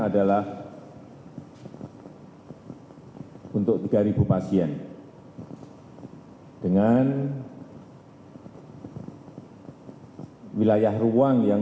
jokowi berharap rumah sakit ini tidak digunakan